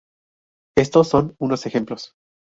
Estos son unos ejemplos.